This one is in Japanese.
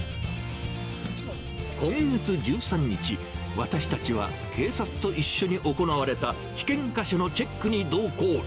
今月１３日、私たちは警察と一緒に行われた、危険か所のチェックに同行。